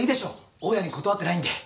大家に断ってないんで。